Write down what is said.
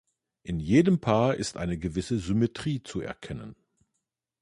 In jedem Paar ist eine gewisse Symmetrie zu erkennen.